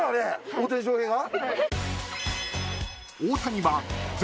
大谷翔平が？